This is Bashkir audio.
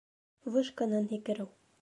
Вышканан һикереү